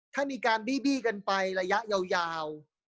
ถ้ามีการบี้กันไประยะยาว